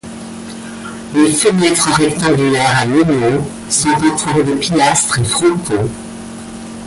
Les fenêtres rectangulaires à meneaux sont entourées de pilastres et frontons.